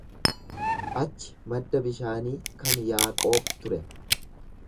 Achi madda bishaanii kan Yaaqoob ture.